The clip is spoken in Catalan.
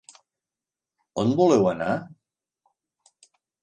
On voleu anar?